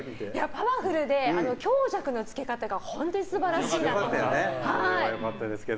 パワフルで強弱の付け方が本当に素晴らしかった。